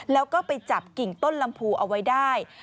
แล้วก็ไปจับกิ่งต้นลำพูเอาไว้ได้